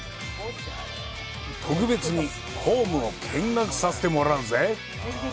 特別にホームを見学させてもらうぜ！